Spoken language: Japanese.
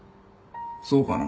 そうかな？